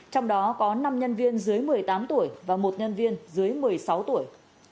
trong đó có năm nhân viên dưới một mươi tám tuổi và một nhân viên dưới một mươi sáu tuổi